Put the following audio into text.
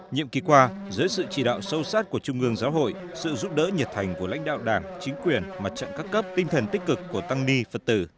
nhiệm kỳ qua dưới sự chỉ đạo sâu sát của trung ương giáo hội sự giúp đỡ nhiệt thành của lãnh đạo đảng chính quyền mặt trận các cấp tinh thần tích cực của tăng ni phật tử